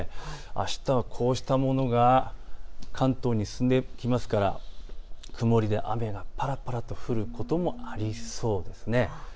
あしたはこうしたものが関東に進んできますから曇りで雨がぱらぱらと降ることもありそうです。